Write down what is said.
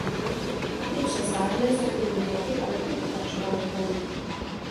I přes vážné zranění hlavy a ruky pokračoval v boji.